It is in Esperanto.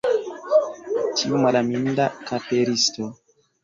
Tiu malaminda kaperisto!